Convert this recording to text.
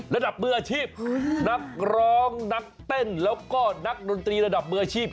ระดับมืออาชีพนักร้องนักเต้นแล้วก็นักดนตรีระดับมืออาชีพ